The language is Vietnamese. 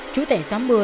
chú tẩy xóm một mươi